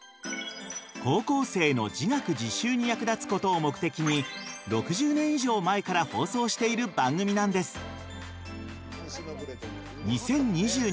高校生の自学自習に役立つことを目的に６０年以上前から放送している番組なんです。